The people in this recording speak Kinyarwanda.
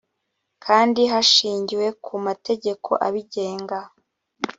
kandi hashingiwe ku mategeko abigenga